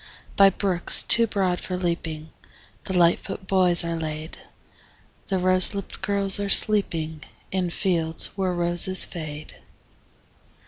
By brooks too broad for leaping The lightfoot boys are laid; The rose lipt girls are sleeping In fields where roses fade.